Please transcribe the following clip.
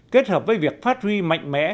kết hợp với việc phát huy mạnh mẽ